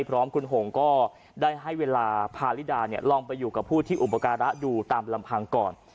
พร้อมคุณหงก็ได้ให้เวลาพาลิดาลองไปอยู่กับผู้ที่อุปการะดูตามลำพังก่อน